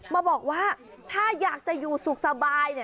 มาบอกว่าถ้าอยากจะอยู่สุขสบาย